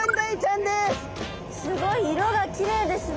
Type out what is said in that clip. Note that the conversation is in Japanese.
すごい色がきれいですね。